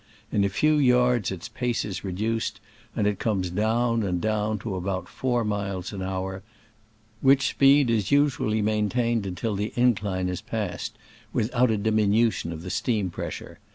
In a few yards its pace is reduced, and it comes down and down to about four miles an hour, which speed is usually maintained until the incline is passed, without a diminution of the steam press ure.